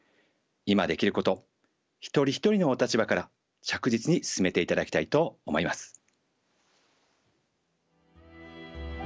今できること一人一人のお立場から着実に進めていただきたいと思います。